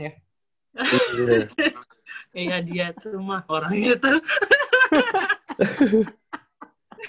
kayaknya dia tuh mah orangnya tuh